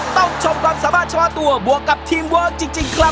ต้องชมความสามารถเฉพาะตัวบวกกับทีมเวิร์คจริงครับ